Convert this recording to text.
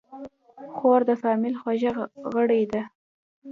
خور د فامیل خوږه غړي ده.